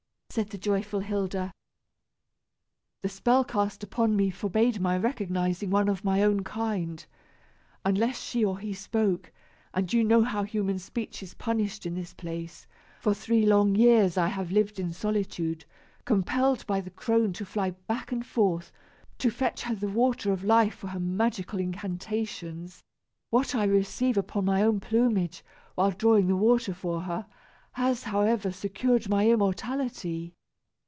said the joyful Hilda. "The spell cast upon me forbade my recognizing one of my own kind, unless she or he spoke, and you know how human speech is punished in this place. For three long years I have lived in solitude, compelled by the crone to fly back and forth to fetch her the water of life for her magical incantations; what I receive upon my own plumage, while drawing the water for her, has, however, secured my immortality.